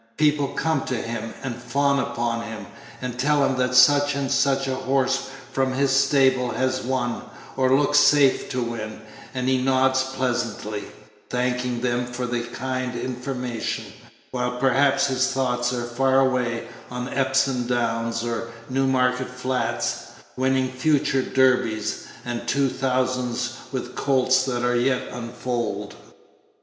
People come to him, and fawn upon him, and tell him that such and such a horse from his stable has won, or looks safe to win; and he nods pleasantly, thanking them Page 66 for the kind information, while perhaps his thoughts are far away on Epsom Downs or Newmarket Flats, winning future Derbys and two thousands with colts that are as yet unfoaled.